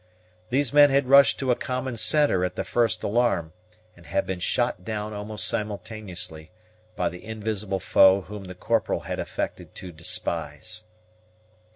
These men had rushed to a common centre at the first alarm, and had been shot down almost simultaneously by the invisible foe whom the Corporal had affected to despise.